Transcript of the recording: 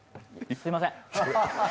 すみません。